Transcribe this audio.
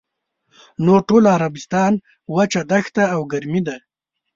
نور ټول عربستان وچه دښته او ګرمي ده.